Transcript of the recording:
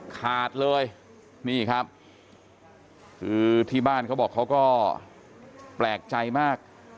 ขาดเลยนี่ครับคือที่บ้านเขาบอกเขาก็แปลกใจมาก